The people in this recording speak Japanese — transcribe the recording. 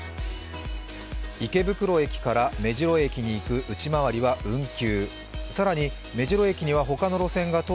池袋駅から目白駅に行く内回りは運休。